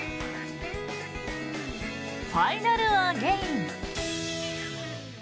ファイナルアゲイン。